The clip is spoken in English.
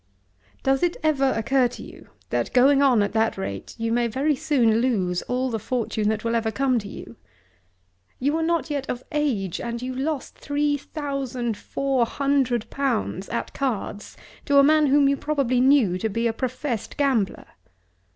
"Does it ever occur to you that going on at that rate you may very soon lose all the fortune that will ever come to you? You were not yet of age and you lost three thousand four hundred pounds at cards to a man whom you probably knew to be a professed gambler!"